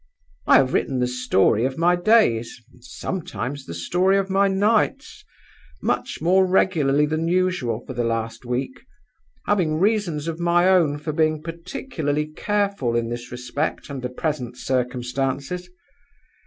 I have written the story of my days (and sometimes the story of my nights) much more regularly than usual for the last week, having reasons of my own for being particularly careful in this respect under present circumstances.